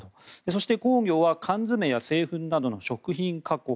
そして工業は缶詰や製粉などの食品加工